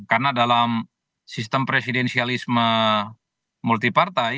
karena dalam sistem presidensialisme multipartai